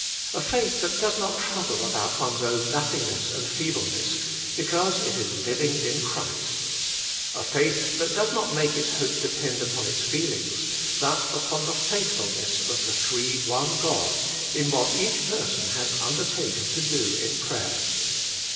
A faith that does not trouble about one's own nothingness and feebleness, be cause it is living in Christ. A faith that does nol; make its hope depend upon its feelings, but upon the faithfulness of the Three One God, in what each person has undertaken to do in prayer.